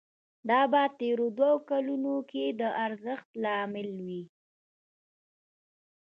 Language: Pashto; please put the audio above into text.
دا په تېرو دوو کلونو کې د ارزښت له امله وو